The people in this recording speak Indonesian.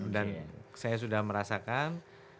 dan saya sudah merasakan